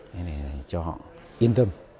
thế này cho họ yên tâm